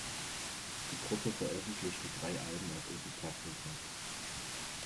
Die Gruppe veröffentlichte drei Alben auf Epitaph Records.